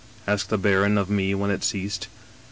asked the baron of mc when it ceased.